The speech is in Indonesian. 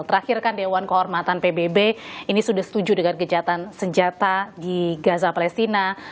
terakhir kan dewan kehormatan pbb ini sudah setuju dengan gejatan senjata di gaza palestina